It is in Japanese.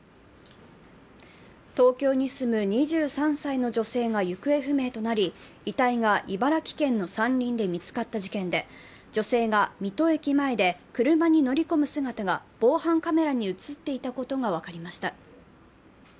東京に住む２３歳の女性が行方不明となり、遺体が茨城県の山林で見つかった事件で女性が水戸駅まで車に乗り込む姿が防犯カメラに映っていたことが分かりました。